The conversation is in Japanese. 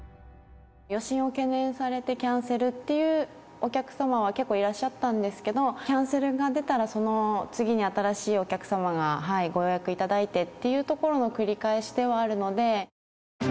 余震を懸念されてキャンセルっていうお客様は結構いらっしゃったんですけど、キャンセルが出たら、その次に新しいお客様がご予約いただいてっていうところの繰り返しではあるので。